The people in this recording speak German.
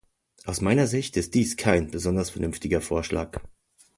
Aus meiner Sicht ist dies kein besonders vernünftiger Vorschlag.